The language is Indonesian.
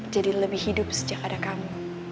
jadi lebih hidup sejak ada kamu